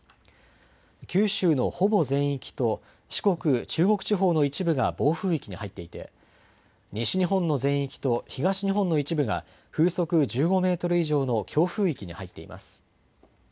九州のほぼ全域と、四国、中国地方の一部が暴風域に入っていて、西日本の全域と東日本の一部が風速１５メートル以上の強風域に入っています。